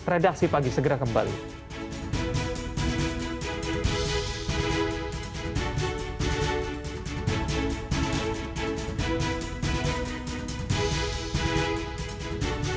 redaksi pagi segera kembali